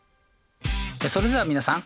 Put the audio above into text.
それでは皆さん。